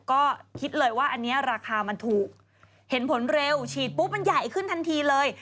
ก็คิดเลยว่าอันนี้ราคามันถูกเห็นผลเร็วฉีดปุ๊บมันใหญ่ขึ้นทันทีเลย